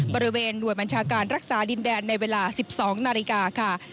บริเวณหน่วยบัญชาการรักษาดินแดนในเวลา๑๒นาฬิกาค่ะ